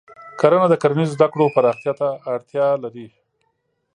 کرنه د کرنیزو زده کړو پراختیا ته اړتیا لري.